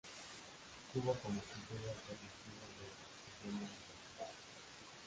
Tuvo como título alternativo el de "Su primer encuentro".